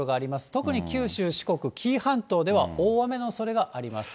特に九州、四国、紀伊半島では大雨のおそれがあります。